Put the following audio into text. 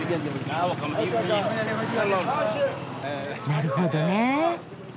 なるほどね。